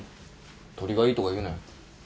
鶏がいいとか言うなよ。